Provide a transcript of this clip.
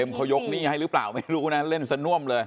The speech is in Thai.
เขายกหนี้ให้หรือเปล่าไม่รู้นะเล่นสน่วมเลย